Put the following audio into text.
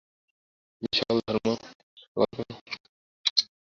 যে-সকল কর্ম সেই উদ্দেশ্যের পথে বাধা, শুধু সেগুলি বর্জন করিতে হইবে।